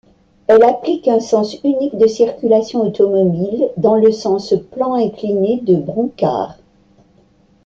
Elle applique un sens unique de circulation automobile dans le sens Plan Incliné-de Bronckart.